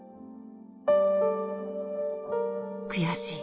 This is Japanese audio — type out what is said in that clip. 「悔しい」。